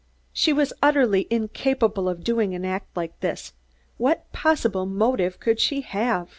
"She was utterly incapable of doing an act like this. What possible motive could she have?"